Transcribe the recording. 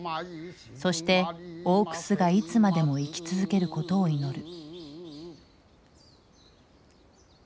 そして大楠がいつまでも生き続けることを祈る。